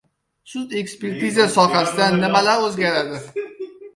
Sud ekspertiza sohasida nimalar o‘zgaradi?..